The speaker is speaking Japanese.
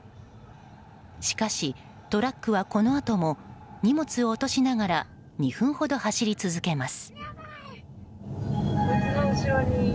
しかしトラックはこのあとも荷物を落としながら２分ほど走り続けます。